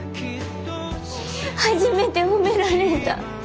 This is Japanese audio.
初めて褒められた。